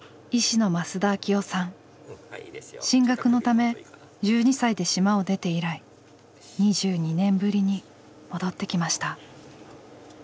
進学のため１２歳で島を出て以来２２年ぶりに戻ってきました。